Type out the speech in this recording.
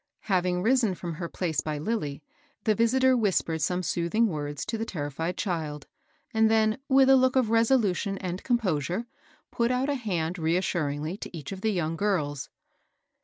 Having risen from her place by Lilly, the visitor whispered some soothing words to the terrified child, and then with a look of resolution and com THB WOLP AT THB DOOR. 401 posure, put out a hand reassuringlj to each of the young girls.